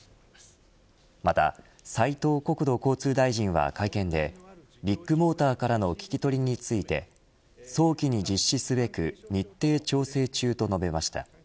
また、斉藤国土交通大臣は会見でビッグモーターからの聞き取りについて早期に実施すべく日程調整中と述べました。